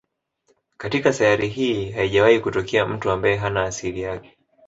Katika sayari hii haijawahi kutokea mtu ambaye hana asili yake